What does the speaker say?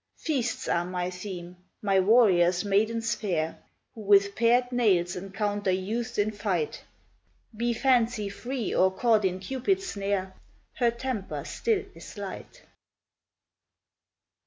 Feasts are my theme, my warriors maidens fair, Who with pared nails encounter youths in fight; Be Fancy free or caught in Cupid's snare, Her temper still is light.